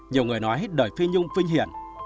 nhiều người nói đời phi nhung vinh hiện